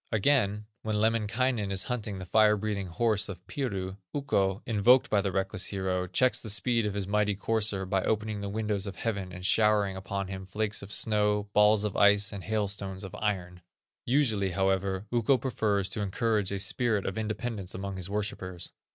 Again, when Lemminkainen is hunting the fire breathing horse of Piru, Ukko, invoked by the reckless hero, checks the speed of the mighty courser by opening the windows of heaven, and showering upon him flakes of snow, balls of ice, and hailstones of iron. Usually, however, Ukko prefers to encourage a spirit of independence among his worshipers.